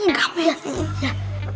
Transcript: udah sama is gebe ya